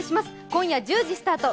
今夜１０時スタート